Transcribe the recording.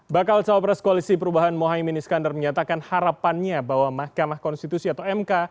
bakal cawapres koalisi perubahan mohaimin iskandar menyatakan harapannya bahwa mahkamah konstitusi atau mk